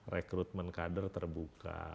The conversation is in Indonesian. rekrutmen kader terbuka